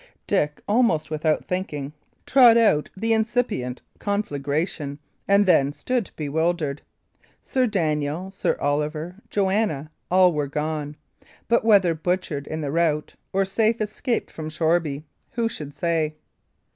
Dick, almost without thinking, trod out the incipient conflagration, and then stood bewildered. Sir Daniel, Sir Oliver, Joanna, all were gone; but whether butchered in the rout or safe escaped from Shoreby, who should say?